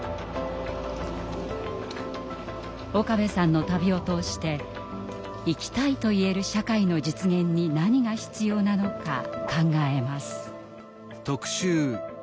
岡部さんの旅を通して生きたいと言える社会の実現に何が必要なのか考えます。